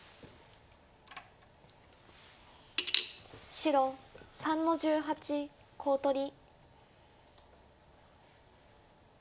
白３の十八コウ取り。